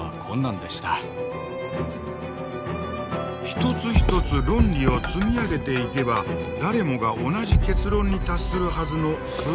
一つ一つ論理を積み上げていけば誰もが同じ結論に達するはずの数学の世界。